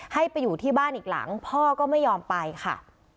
ให้ไปอยู่ที่บ้านอีกหลังพ่อก็ไม่ยอมไปค่ะ